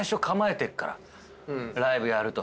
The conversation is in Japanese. ライブやると。